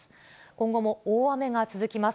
今後も大雨が続きます。